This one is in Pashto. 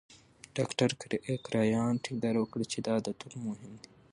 ډاکټر کرایان ټینګار وکړ چې دا عادتونه مهم دي.